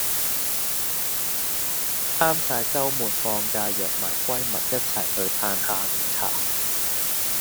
啱晒週末放假約埋閨密一齊去歎下午茶